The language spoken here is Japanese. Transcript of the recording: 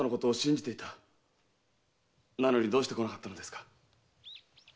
なのにどうして来なかったのですか？